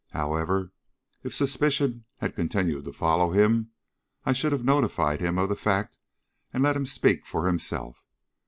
However, if suspicion had continued to follow him, I should have notified him of the fact, and let him speak for himself.